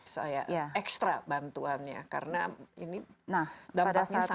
saya ekstra bantuannya karena ini dampaknya sangat tinggi